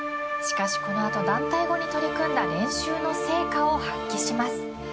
しかしこの団体後に取り組んだ練習の成果を発揮します。